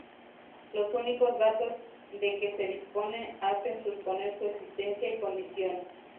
Los únicos datos de que se dispone hacen suponer su existencia y condición.